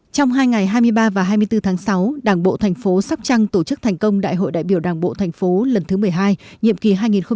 trong hai ngày hai mươi ba và hai mươi bốn tháng sáu đảng bộ thành phố sóc trăng tổ chức thành công đại hội đại biểu đảng bộ thành phố lần thứ một mươi hai nhiệm kỳ hai nghìn hai mươi hai nghìn hai mươi năm